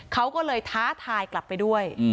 เขาก็เลยท้าทายกลับไปด้วย